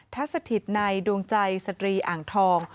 ทสถิตในดวงใจสตรีอ่างทอง